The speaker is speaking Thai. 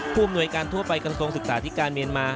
ผู้มนวยการทั่วไปกันทรงศึกษาธิการเมียนมา